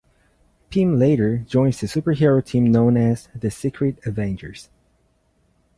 Pym later joins the superhero team known as the Secret Avengers.